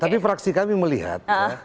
tapi fraksi kami melihat